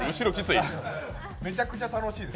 めちゃくちゃ楽しいです。